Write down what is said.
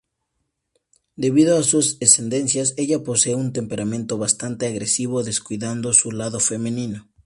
Debido a su ascendencia, ella posee un temperamento bastante agresivo, descuidando su lado femenino.